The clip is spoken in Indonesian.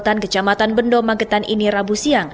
tidak saya memanggil ibu saya